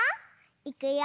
いくよ！